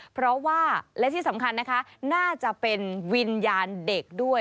เพราะว่าและที่สำคัญนะคะน่าจะเป็นวิญญาณเด็กด้วย